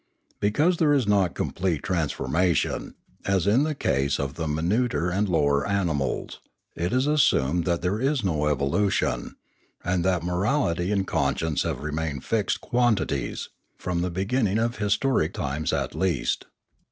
Because there is not complete transformation, as in the case of the minuter and lower animals, it is assumed that there is no evolution, and that morality and conscience have remained fixed quantities, from the beginning of his toric times at least.